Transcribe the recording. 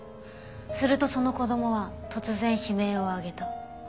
するとその子供は突然悲鳴を上げた。